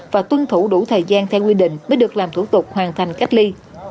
và tuân thủ đủ thời gian theo quy định mới được làm thủ tục hoàn thành cách ly